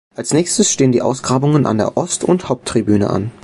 Als nächstes stehen die Ausgrabungen an der Ost- und der Haupttribüne an.